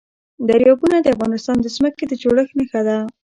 دریابونه د افغانستان د ځمکې د جوړښت نښه ده.